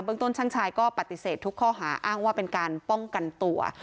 ต้นช่างชายก็ปฏิเสธทุกข้อหาอ้างว่าเป็นการป้องกันตัว